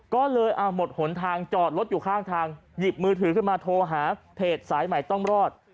ก็เลยหมดหนทางจอดรถอยู่ข้างทางหยิบมือถือขึ้นมาโทรหาเพจสายใหม่ต้องรอด